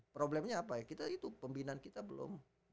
problemnya apa ya kita itu pembinaan kita belum